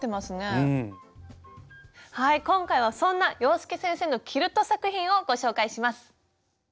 今回はそんな洋輔先生のキルト作品をご紹介します。